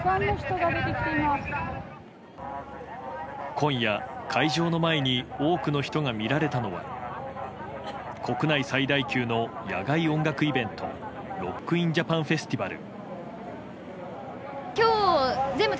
今夜、会場の前に多くの人が見られたのは国内最大級の野外音楽イベントＲＯＣＫＩＮＪＡＰＡＮＦＥＳＴＩＶＡＬ。